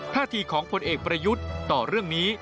ท่าทีของผลเอกประยุทธ์ต่อเรื่องนี้